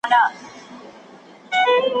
نور دي په لستوڼي کي په مار اعتبار مه کوه